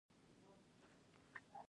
ایا ستاسو جنګ به ختم نه شي؟